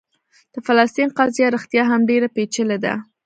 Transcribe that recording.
د فلسطین قضیه رښتیا هم ډېره پېچلې ده.